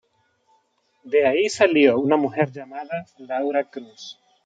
De ahí salió una mujer llamada "Laura Cruz".